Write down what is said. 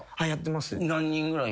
何人ぐらい？